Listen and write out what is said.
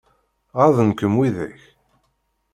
Ɣaḍen-kem widak?